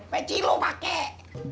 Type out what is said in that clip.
peci lu pakai